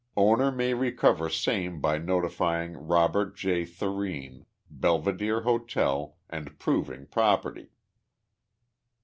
Owner may recover same by notifying Robert J. Thurene, Belvedere Hotel, and proving property.